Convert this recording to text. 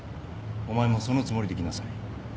お前もそのつもりで来なさい。